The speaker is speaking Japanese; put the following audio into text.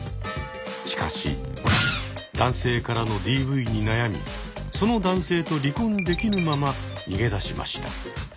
しかし男性からのＤＶに悩みその男性と離婚できぬまま逃げ出しました。